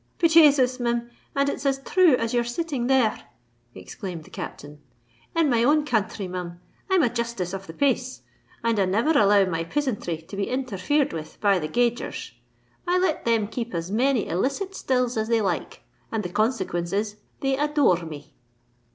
"Be Jasus! Mim, and it's as thrue as you're sitting there!" exclaimed the Captain. "In my own counthry, Mim, I'm a Justice of the Pace, and I never allow my pisanthry to be interfered with by the gaugers. I let them keep as many illicit stills as they like; and the consequence is they adore me."